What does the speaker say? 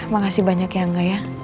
makasih banyak ya angga ya